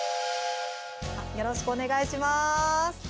よろしくお願いします。